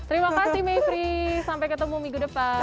terima kasih mayfrey sampai ketemu minggu depan